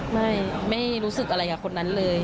ไม่ไม่รู้สึกอะไรกับคนนั้นเลย